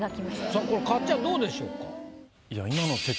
さあこれかっちゃんどうでしょうか？